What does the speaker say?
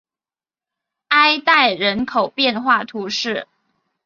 埃代人口变化图示